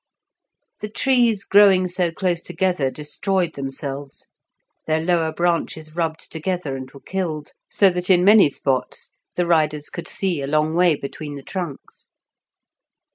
The trees growing so close together destroyed themselves, their lower branches rubbed together and were killed, so that in many spots the riders could see a long way between the trunks.